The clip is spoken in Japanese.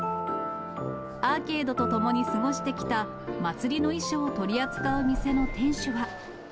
アーケードとともに過ごしてきた祭りの衣装を取り扱う店の店主は。